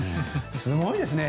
すごいですね。